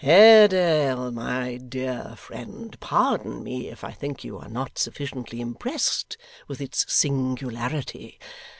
Haredale, my dear friend, pardon me if I think you are not sufficiently impressed with its singularity.